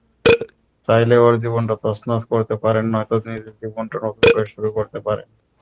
চাইলে ওর জীবনটা তছনছ করতে পারেন নয়তো নিজের জীবনটা নতুন করে শুরু করতে পারেন।